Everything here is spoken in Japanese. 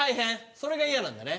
それが嫌なんだね。